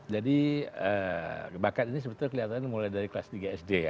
jadi bakat ini sebetulnya kelihatannya mulai dari kelas tiga sd ya